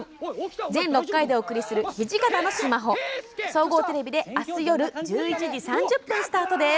全６回でお送りする「土方のスマホ」総合テレビであす夜１１時３０分スタートです。